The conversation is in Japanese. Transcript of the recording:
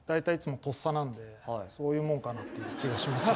そういうもんかなって気がします。